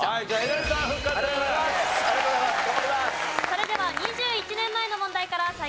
それでは２１年前の問題から再開です。